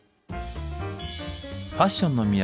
ファッションの都